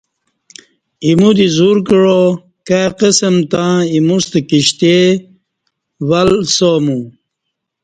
ایمو دی زور کعا کائی قسم تہ اِیموستہ کشتی وہ لسا مو